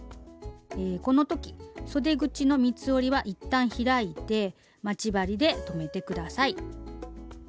この時そで口の三つ折りは一旦開いて待ち針で留めて下さい。